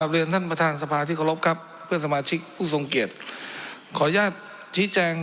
เรียนท่านประธานสภาที่เคารพครับเพื่อนสมาชิกผู้ทรงเกียจขออนุญาตชี้แจง